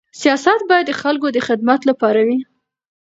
سیاست باید د خلکو د خدمت لپاره وي.